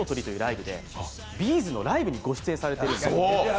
’ｚのライブに出演されてるんです。